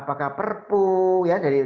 pertanyaannya apa yang kita lakukan